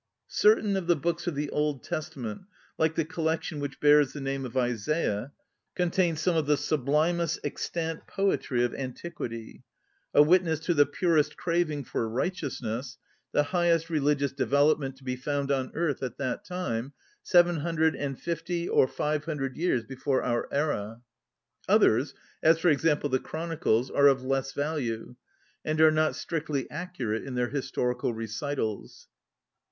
Certain of the books of the Old Testament, like the collection which bears the name of Isaiah, contain some of the sublimest extant poetry of antiquity, ŌĆö a witness to the pm*est craving for righteousness, the high est religious development to be found on earth at that time, seven hundred and fifty or five hundred years be fore our era. Others, as for example the Chronicles, are of less value, and are not strictly accurate in their his torical recitals.